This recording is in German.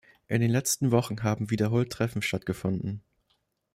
In den letzten Wochen haben wiederholt Treffen stattgefunden.